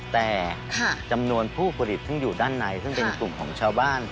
แต่จำนวนผู้ผลิตซึ่งอยู่ด้านในซึ่งเป็นกลุ่มของชาวบ้าน